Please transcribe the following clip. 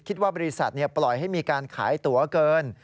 บริษัทปล่อยให้มีการขายตั๋วเกิน